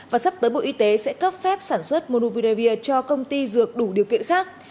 và sắp tới bộ y tế sẽ cấp phép sản xuất mubiravir cho công ty dược đủ điều kiện khác